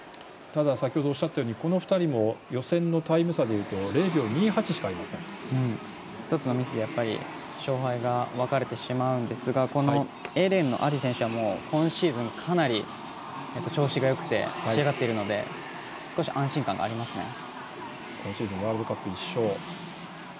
ただ、先ほどおっしゃったように予選のタイム差は０秒２８しか１つのミスで勝敗が分かれてしまうんですがＡレーンのアディ選手は今シーズン、かなり調子がよくて仕上がっているので今シーズンワールドカップ１勝。